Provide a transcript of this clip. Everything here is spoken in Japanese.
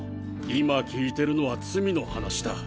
今聞いてるのは罪の話だ。